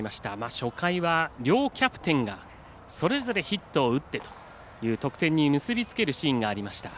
初回は両キャプテンがそれぞれヒットを打って得点に結び付けるシーンがありました。